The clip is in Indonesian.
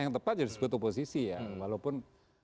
yang tepat jadi disebut oposisi ya walaupun